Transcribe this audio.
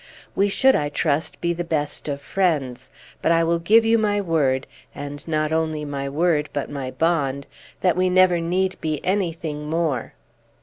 We should, I trust, be the best of friends; but I will give you my word, and not only my word but my bond, that we never need be anything more."